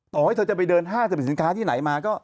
ต่อให้เธอจะไปเดินห้างสรรพสินค้าที่ไหนมาก็